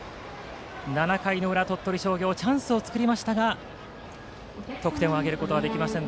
７回の裏、鳥取商業チャンスを作りましたが得点を挙げることはできません。